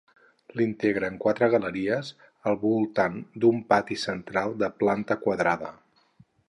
L'integren quatre galeries al voltant d'un pati central de planta quadrada.